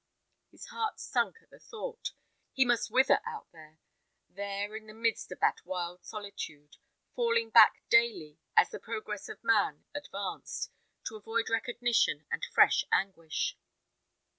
His heart sunk at the thought. He must wither out there there, in the midst of that wild solitude, falling back daily, as the progress of man advanced, to avoid recognition and fresh anguish.